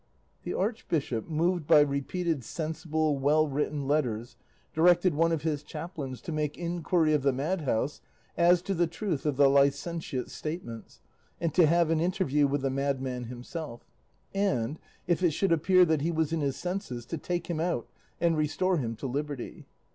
The Archbishop, moved by repeated sensible, well written letters, directed one of his chaplains to make inquiry of the madhouse as to the truth of the licentiate's statements, and to have an interview with the madman himself, and, if it should appear that he was in his senses, to take him out and restore him to liberty.